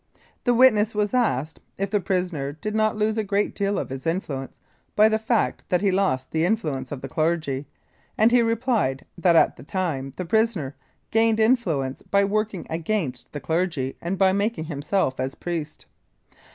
The witness was asked, if the prisoner did not lose a great deal of his influence by the fact that he lost the influence of the clergy, and he replied that at the time the prisoner gained influence by working against the clergy and by making himself as a priest.